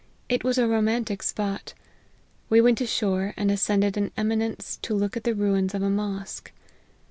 It was a romantic spot. We went ashore, and as cended an eminence to look at the ruins of a mosque.